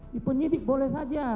dipenyitik boleh saja